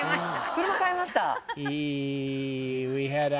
車買いました！